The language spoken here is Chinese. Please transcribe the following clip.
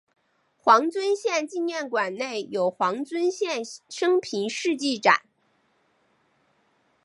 黄遵宪纪念馆内有黄遵宪生平事迹展。